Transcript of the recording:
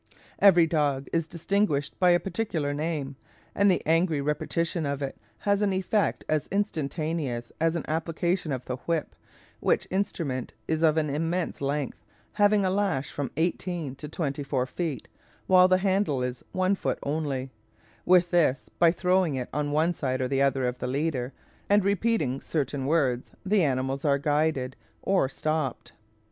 Every dog is distinguished by a particular name, and the angry repetition of it has an effect as instantaneous as an application of the whip, which instrument is of an immense length, having a lash from eighteen to twenty four feet, while the handle is one foot only; with this, by throwing it on one side or the other of the leader, and repeating certain words, the animals are guided or stopped.